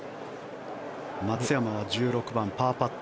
松山は１６番、パーパット。